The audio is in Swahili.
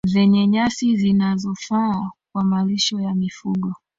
zenye nyasi zinazofaa kwa malisho ya mifugo